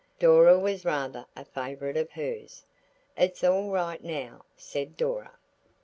Dora was rather a favourite of hers. "It's all right now," said Dora.